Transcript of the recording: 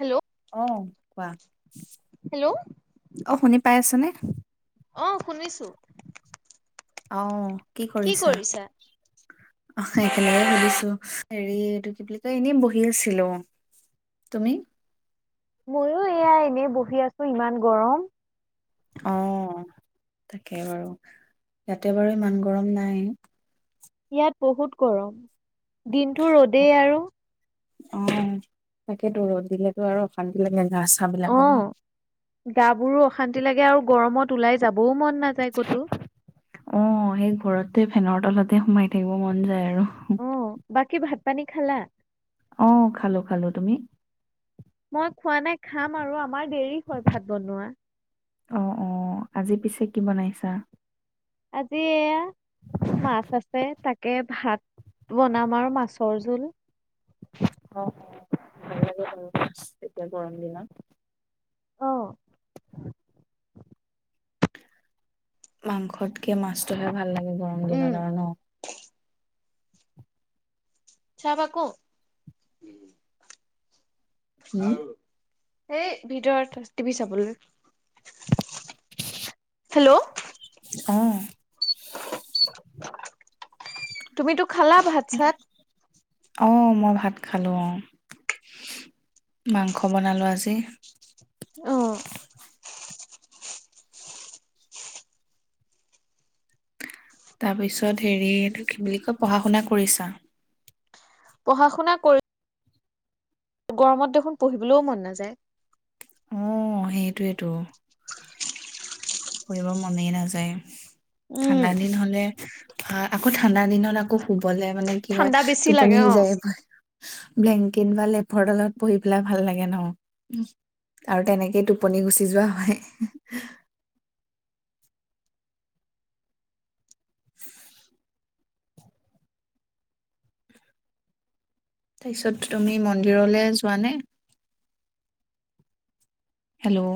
Hello, অহ, ' কোৱা, hello অ', শুনি পাই আছনে? অ', শুনিছো। অহ্ কি কৰিছা? অ ', একেলগে সুধিছোঁ, হেৰি এইটো কি বুলি কয়, 'এনেই বহি আছিলো তুমি? ময়ো এয়া, এনেই বহি আছো ইমান গৰম। অ', তাকেই বাৰু, ইয়াতে বাৰু ইমান গৰম নাই। ইয়াত বহুত গৰম দিনটো ৰ'দেই আৰু। অ ', তাকেইেতো ৰ'দ দিলেতো আৰু অশান্তি লাগে, গা- চা বিলাকো ন, ' শান্তি লাগে আৰু গৰমত ওলাই যাবও মন, নাযায় ক'তো অ', সেই ঘৰতে, ফেনৰ তলতে সোমাই থাকিব মন যায় আৰু। অ বাকী ভাত -পানী খালা? অহ, ' খালো-খালো। তুমি? মই খোৱা নাই খাম আৰু আপ, আমাৰ দেৰি হয় ভাত বনোৱা। অ অ আজি পিছে কি বনাইছা আজি এয়া মাছ আছে তাকে ভাত বনাম আৰু মাছৰ জোল ভাল লাগে এতিয়া গৰম দিনত আহ মাংসতকে মাছটোহে ভাল লাগে গৰম উম দিনত ন চাহ বাকো হ উম [unintelligible] এই ভিতৰত টিভি চাবলৈ হেল্ল' আহ তুমিতো খালা ভাত চাত আহ মই ভাঁত খালো অ মাংস বনালো আজি অ তাৰপিছত হেৰি এইটো কি বুলি কয় পঢ়া শুনা কৰিছা পঢ়া শুনা কৰি গৰমত দেখোন পঢ়িবলৈও মন নাযায় সেইটোৱেতো কৰিব মনেই নাযায় উম ঠাণ্ডা দিন হলে আকৌ ঠাণ্ডা দিনত আকৌ শুবলৈ মানে কি হয় ঠাণ্ডা বেছি টোপনি লাগে অ'। সিজাই ব্লেংকেট বা লেফৰ তলত পঢ়ি পেলাই ভাল লাগে ন আৰু তেনেকেইটো [unintelligible] টোপনি গুচি যোৱা হয় তাৰপিছত তুমি মন্দিৰলৈ যোৱানে হেল্ল'